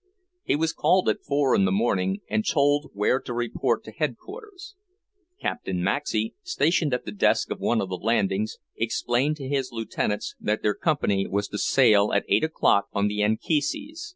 He was called at four in the morning and told where to report to headquarters. Captain Maxey, stationed at a desk on one of the landings, explained to his lieutenants that their company was to sail at eight o'clock on the Anchises.